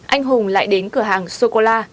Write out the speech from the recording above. anh hùng lại đến cửa hàng sô cô la